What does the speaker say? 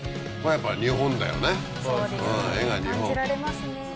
これやっぱ日本だよね。